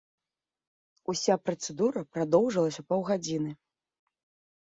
Уся працэдура прадоўжылася паўгадзіны.